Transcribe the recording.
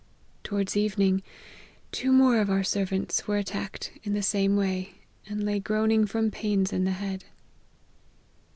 To wards evening, two more of our servants were attacked in the same way, and lay groaning from pains in the head."